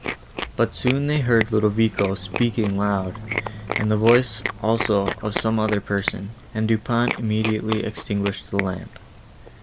But soon they heard Ludovico speaking loud, and the voice also of some other person, and Du Pont immediately extinguished the lamp.